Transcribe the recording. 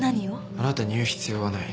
あなたに言う必要はない。